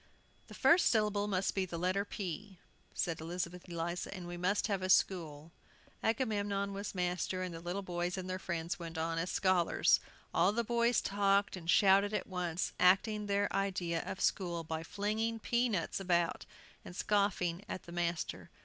"The first syllable must be the letter P," said Elizabeth Eliza, "and we must have a school." Agamemnon was master, and the little boys and their friends went on as scholars. All the boys talked and shouted at once, acting their idea of a school by flinging pea nuts about, and scoffing at the master.